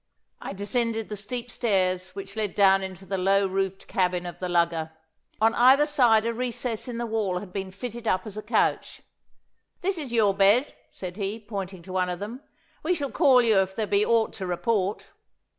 I descended the steep stairs which led down into the low roofed cabin of the lugger. On either side a recess in the wall had been fitted up as a couch. 'This is your bed,' said he, pointing to one of them. 'We shall call you if there be aught to report.